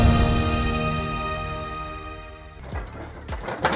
bersama dengan dg bintang